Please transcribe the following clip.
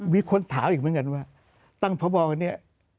วิค้นถาวอย่างเมื่อกันว่าตั้งพระบอลคนนี้